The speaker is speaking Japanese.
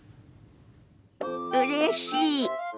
うれしい。